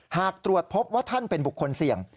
หากตรวจพบว่าท่านเป็นบุคคลเสี่ยง